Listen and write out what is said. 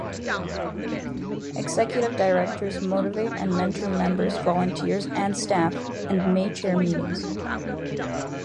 Executive directors motivate and mentor members, volunteers, and staff, and may chair meetings.